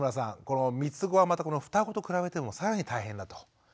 このみつごはまたこのふたごと比べても更に大変だと。